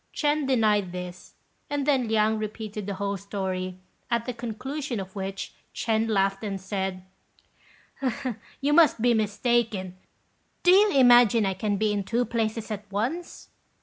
Ch'ên denied this, and then Liang repeated the whole story, at the conclusion of which, Ch'ên laughed, and said, "You must be mistaken. Do you imagine I can be in two places at once?"